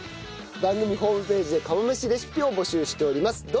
番組ホームページで釜飯レシピを募集しております。